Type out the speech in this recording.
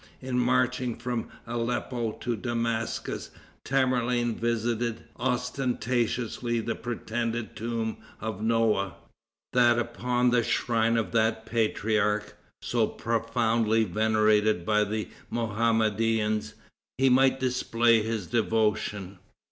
In marching from Aleppo to Damascus, Tamerlane visited ostentatiously the pretended tomb of Noah, that upon the shrine of that patriarch, so profoundly venerated by the Mohammedans, he might display his devotion.